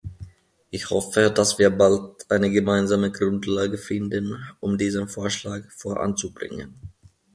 Ich hoffe, dass wir bald eine gemeinsame Grundlage finden, um diesen Vorschlag voranzubringen.